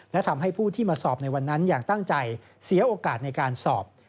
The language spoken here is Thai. และทำให้ผู้ที่มาสอบในวันนั้นอย่างตั้งใจเสียโอกาสในการสอบ